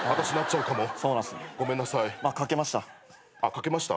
描けました。